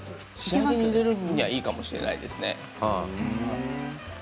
仕上げに入れるにはいいかもしれないですね。